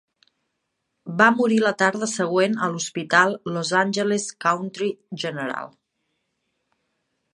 Va morir la tarda següent a l'hospital Los Angeles County General.